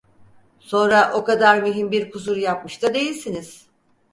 Sonra o kadar mühim bir kusur yapmış da değilsiniz.